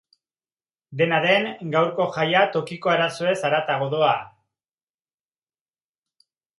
Dena den, gaurko jaia tokiko arazoez haratago doa.